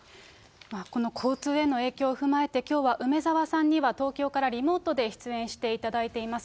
この交通への影響を踏まえて、きょうは梅沢さんには東京からリモートで出演していただいています。